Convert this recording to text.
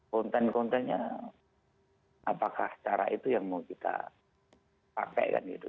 konten kontennya apakah cara itu yang mau kita pakai kan gitu